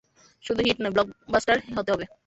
শুধু হিট নয়, ব্লকবাস্টার হতে হবে।